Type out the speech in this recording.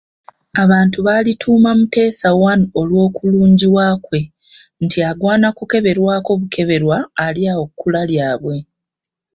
Abantu baalituuma Mutesa I olw'okulungiwa kwe, nti agwana kukeberwako bukeberwa ali awo kkula lyabwe.